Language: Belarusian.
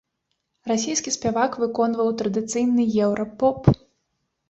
Расійскі спявак выконваў традыцыйны еўра-поп.